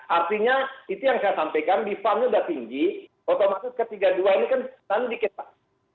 artinya itu yang saya sampaikan di farmnya sudah tinggi otomatis ke tiga puluh dua ini kan dikit pak